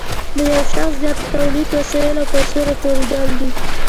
د یو شمېر زیاتو تولیدي وسایلو او پیسو راټولېدل دي